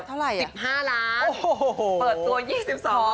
เท่าไหร่อ่ะ๑๕ล้านเปิดตัว๒๒ล้านค่ะพร้อม